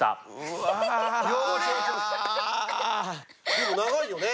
でも長いよね？